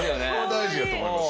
大事やと思います。